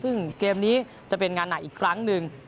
ซึ่งเกมนี้จะเป็นงานหนักอีกครั้งหนึ่ง